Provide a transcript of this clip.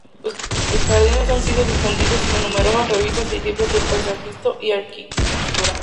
Sus jardines han sido difundidos en numerosas revistas y libros de paisajismo y arquitectura.